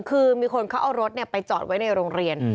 คือมีคนเขาเอารถไปจอดไว้ในโรงเรียน